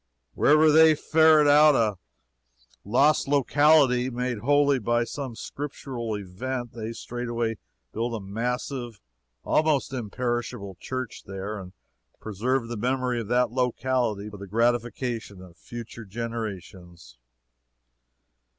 Wherever they ferret out a lost locality made holy by some Scriptural event, they straightway build a massive almost imperishable church there, and preserve the memory of that locality for the gratification of future generations.